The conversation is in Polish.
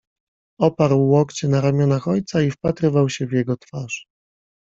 Oparł łokcie na ramionach ojca i wpatrywał się w jego twarz.